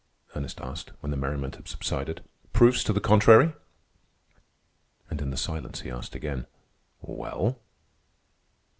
Ernest asked, when the merriment had subsided. "Proofs to the contrary?" And in the silence he asked again, "Well?"